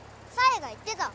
紗英が言ってた。